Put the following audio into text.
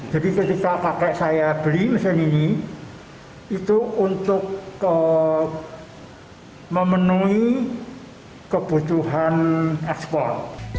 jadi ketika kakek saya beli mesin ini itu untuk memenuhi kebutuhan ekspor